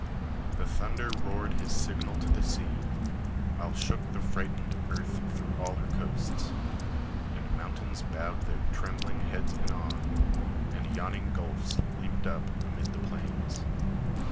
"The thunder roared his signal to the sea, While shook the frightened earth through all her coasts, And mountains bowed their trembling heads in awe, And yawning gulfs leaped up amid the plains.